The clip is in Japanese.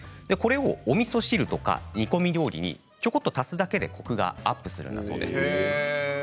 おみそ汁や煮込み料理にちょっと足すだけでコクがアップするそうです。